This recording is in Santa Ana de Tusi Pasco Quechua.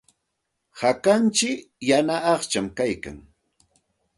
Hakantsik yana aqcham kaykan.